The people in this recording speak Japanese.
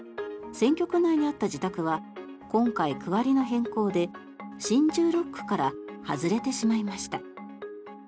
選挙区内にあった自宅は今回、区割りの変更で新１６区から外れてしまいました。